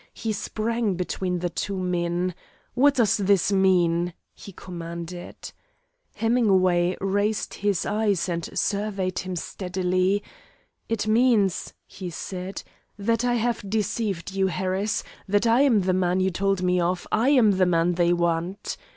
He sprang between the two men. "What does this mean?" he commanded. Hemingway raised his eyes and surveyed him steadily. "It means," he said, "that I have deceived you, Harris that I am the man you told me of, I am the man they want."